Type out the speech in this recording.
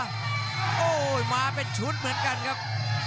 เสียขวาโอ้ยมาเป็นชุดเหมือนกันครับ